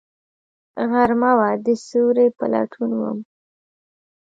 غرمه وه، د سیوری په لټون وم